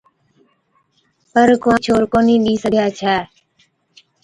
پَر ڪنوارِي ڇوهر ڪونهِي ڏي سِگھَي ڇَي